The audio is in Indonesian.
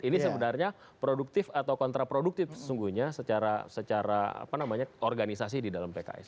ini sebenarnya produktif atau kontraproduktif sesungguhnya secara organisasi di dalam pks